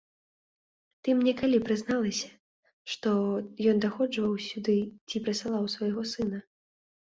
Ты мне калі прызналася, што ён даходжваў сюды ці прысылаў свайго сына?